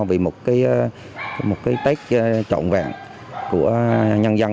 vì một cái tết trộn vẹn của nhân dân